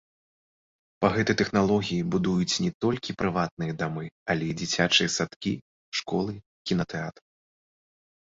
Па гэтай тэхналогіі будуюць не толькі прыватныя дамы, але і дзіцячыя садкі, школы, кінатэатры.